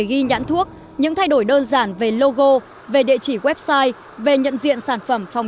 ghi nhãn thuốc những thay đổi đơn giản về logo về địa chỉ website về nhận diện sản phẩm phòng